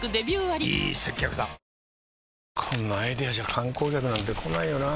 こんなアイデアじゃ観光客なんて来ないよなあ